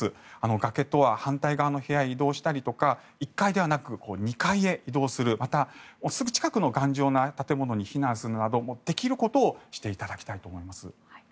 崖とは反対側の部屋へ移動したりとか、１階ではなく２階へ移動する、またすぐ近くの頑丈な建物に避難するなどできることをしていただきたいと思います。